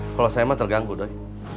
kalau saya mah terganggu tadi